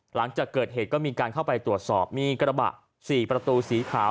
หลังจากเกิดเหตุก็มีการเข้าไปตรวจสอบมีกระบะ๔ประตูสีขาว